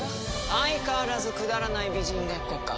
相変わらずくだらない美人ごっこか。